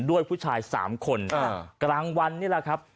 ด้วยผู้ชาย๓คนกลางวันนี่แหละครับ